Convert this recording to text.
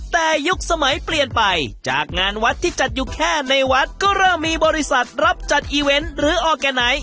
แต่ยุคสมัยเปลี่ยนไปจากงานวัดที่จัดอยู่แค่ในวัดก็เริ่มมีบริษัทรับจัดอีเวนต์หรือออร์แกไนท